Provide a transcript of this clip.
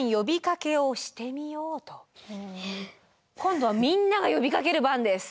今度はみんなが呼びかける番です。